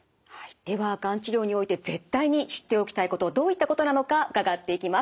ではがん治療において絶対に知っておきたいことどういったことなのか伺っていきます。